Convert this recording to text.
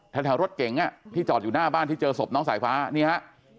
แถวรถเก๋งที่จอดอยู่หน้าบ้านที่เจอศพน้องสายฟ้านี่ฮะ